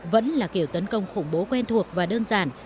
vẫn là kiểu tấn công khủng bố quen thuộc và đơn giản